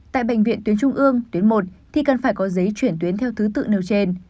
tại bệnh viện tuyến trung ương tuyến một thì cần phải có giấy chuyển tuyến theo thứ tự nêu trên